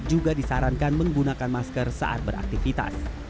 juga disarankan menggunakan masker saat beraktivitas